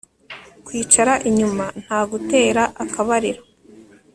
kwicara inyuma nta gutera akabariro